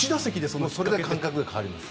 それだけ感覚が変わります。